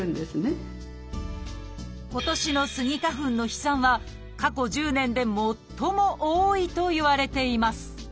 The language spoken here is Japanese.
今回のテーマは今年のスギ花粉の飛散は過去１０年で最も多いといわれています。